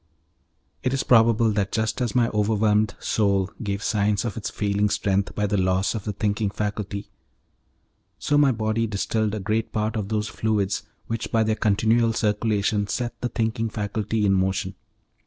It is probable that just as my overwhelmed soul gave signs of its failing strength by the loss of the thinking faculty, so my body distilled a great part of those fluids which by their continual circulation set the thinking faculty in motion.